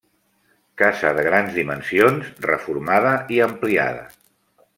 Casa de grans dimensions reformada i ampliada.